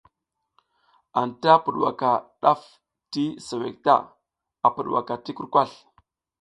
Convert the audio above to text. Anta pudwaka ɗaf ti suwek ta, a pudwaka ti kurkasl.